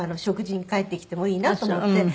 食事に帰ってきてもいいなと思って。